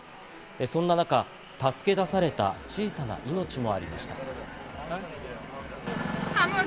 そんな中、助け出された小さな命もありました。